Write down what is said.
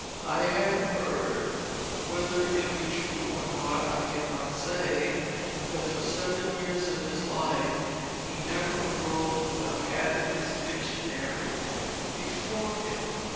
I have heard (whether it be true or not I cannot say) that for seven years of his life he never wrote without having his Dictionary before him."